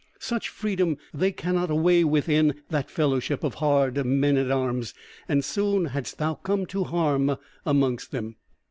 Such freedom they cannot away with in that fellowship of hard men at arms; and soon hadst thou come to harm amongst them.